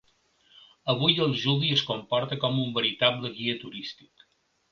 Avui el Juli es comporta com un veritable guia turístic.